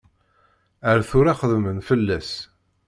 Ar tura xeddmen fell-as.